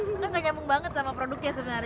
kan nggak nyambung banget sama produknya sebenarnya